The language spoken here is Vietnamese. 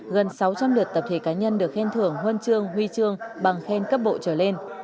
gần sáu trăm linh lượt tập thể cá nhân được khen thưởng huân chương huy chương bằng khen cấp bộ trở lên